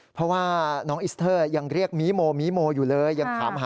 เพราะว่าน้องอิสเตอร์ยังเรียกมีโมมีโมอยู่เลยยังถามหา